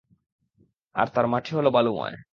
আর তার মাটি হলো বালুময়।